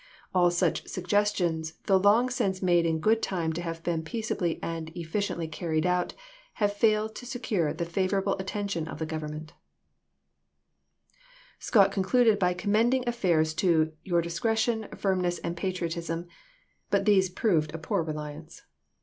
All such suggestions, though long since made in good time to have been peaceably and efficiently carried out, have failed to secure the favorable attention of the briiyto Government. Twigg.s, v*\''r'vol Scott concluded bj'' commending affairs to ^"5«)."^' "your discretion, firmness, and patriotism"; but these proved a poor reliance.